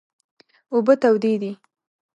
اوبه تودې دي